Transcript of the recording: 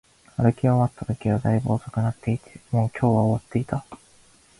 歩き終わったときは、大分遅くなっていて、もう今日は終わっていた